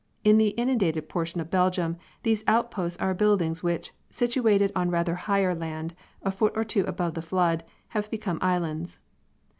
In the inundated portion of Belgium these outposts are buildings which, situated on rather higher land, a foot or two above the flood, have become islands.